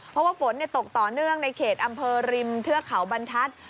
เพราะว่าฝนตกต่อเนื่องในเขตอำเภอริมเทือกเขาบรรทัศน์